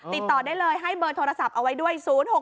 ติดต่อได้เลยให้เบอร์โทรศัพท์เอาไว้ด้วย๐๖๖